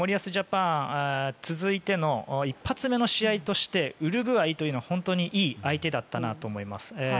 チーム森保ジャパン一発目の試合としてウルグアイというのは、本当にいい相手だったなと思います。